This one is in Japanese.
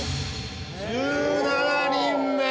１７人目。